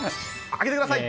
挙げてください。